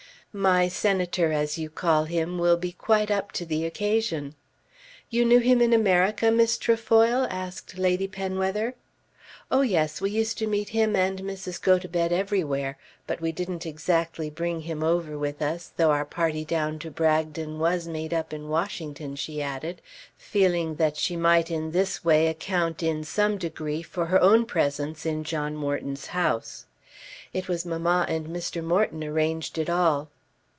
"My Senator as you call him will be quite up to the occasion." "You knew him in America, Miss Trefoil?" asked Lady Penwether. "Oh yes. We used to meet him and Mrs. Gotobed everywhere. But we didn't exactly bring him over with us; though our party down to Bragton was made up in Washington," she added, feeling that she might in this way account in some degree for her own presence in John Morton's house. "It was mamma and Mr. Morton arranged it all."